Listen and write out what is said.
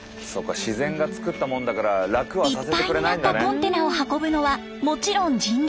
いっぱいになったコンテナを運ぶのはもちろん人力。